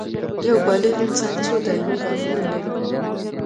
یو بالغ انسان څو دایمي غاښونه لري